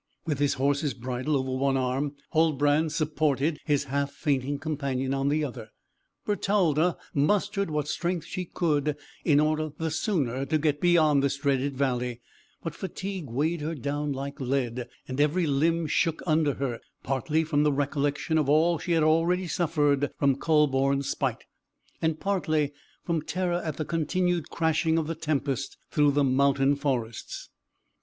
With his horse's bridle over one arm, Huldbrand supported his half fainting companion on the other. Bertalda mustered what strength she could, in order the sooner to get beyond this dreaded valley, but fatigue weighed her down like lead, and every limb shook under her; partly from the recollection of all she had already suffered from Kühleborn's spite, and partly from terror at the continued crashing of the tempest through the mountain forests.